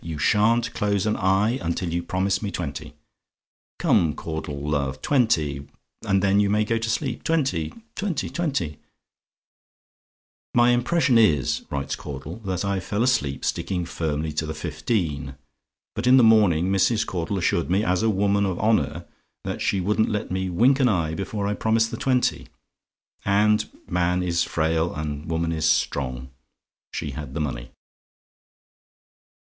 You sha'n't close an eye until you promise me twenty. Come, Caudle, love! twenty, and then you may go to sleep. Twenty twenty twenty " "My impression is," writes Caudle, "that I fell asleep sticking firmly to the fifteen; but in the morning Mrs. Caudle assured me, as a woman of honour, that she wouldn't let me wink an eye before I promised the twenty: and man is frail and woman is strong she had the money."